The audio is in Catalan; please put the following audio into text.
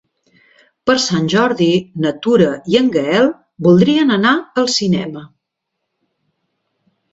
Per Sant Jordi na Tura i en Gaël voldria anar al cinema.